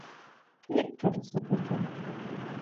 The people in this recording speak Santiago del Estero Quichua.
picaru supay kan